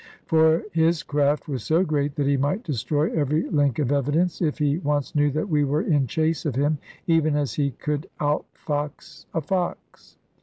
For his craft was so great that he might destroy every link of evidence, if he once knew that we were in chase of him; even as he could out fox a fox.